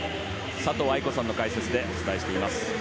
佐藤愛子さんの解説でお伝えしています。